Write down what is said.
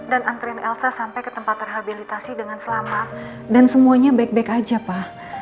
dan anterin elsa sampai ke tempat rehabilitasi dengan selamat dan semuanya baik baik aja pak